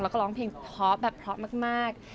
แล้วก็ร้องเพลงพร้อมแบบพร้อมมาก